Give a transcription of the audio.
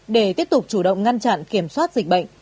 để tiếp tục chủ động ngăn chặn kiểm soát dịch bệnh